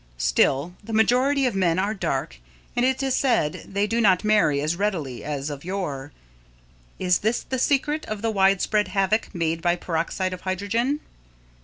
Still, the majority of men are dark and it is said they do not marry as readily as of yore is this the secret of the widespread havoc made by peroxide of hydrogen?